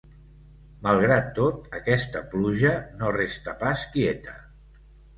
Malgrat tot, aquesta pluja no resta pas quieta.